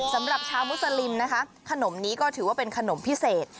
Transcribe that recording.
สำหรับชาวมุสลิมนะคะขนมนี้คือขนมพิเศษ